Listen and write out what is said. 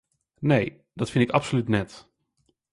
Nee, dat fyn ik absolút net.